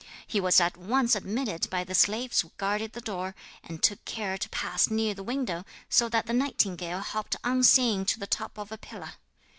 He was at once admitted by the slaves who guarded the door, and took care to pass near the window so that the nightingale hopped unseen to the top of a pillar.